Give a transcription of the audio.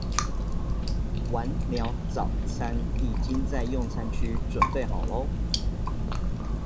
晚鳥早餐已經在用餐區準備好囉